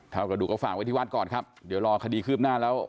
กระดูกก็ฝากไว้ที่วัดก่อนครับเดี๋ยวรอคดีคืบหน้าแล้ว